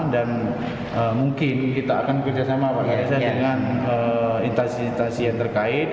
dan mungkin kita akan bekerja sama dengan intensitas yang terkait